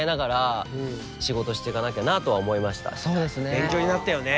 勉強になったよね。